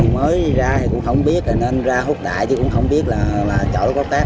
mới ra thì cũng không biết nên ra hút đại thì cũng không biết là chỗ có cát hay không